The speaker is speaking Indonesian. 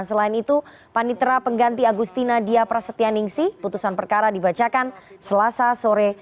selain itu panitera pengganti agustina dia prasetya ningsi putusan perkara dibacakan selasa sore